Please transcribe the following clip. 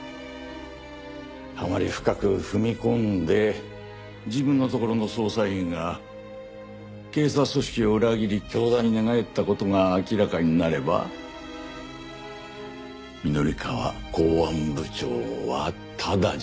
あまり深く踏み込んで自分のところの捜査員が警察組織を裏切り教団に寝返った事が明らかになれば御法川公安部長はタダじゃ済まないからね。